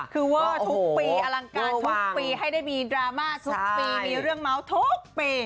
คือเวอร์ทุกปีอลังการทุกปีให้ได้มีดราม่าทุกปีมีเรื่องเมาส์ทุกปี